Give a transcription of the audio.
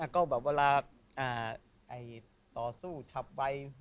ก็แบบเวลาต่อสู้ฉับไว